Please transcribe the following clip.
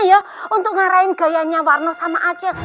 yuk untuk ngarahiin gayanya warno sama acil